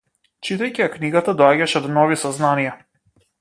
Читајќи ја книгата доаѓаше до нови сознанија.